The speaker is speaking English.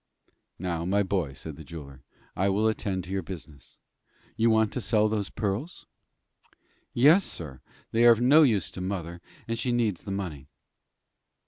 "Now, my boy," said the jeweler, "I will attend to your business. You want to sell these pearls?" "Yes, sir; they are of no use to mother, and she needs the money."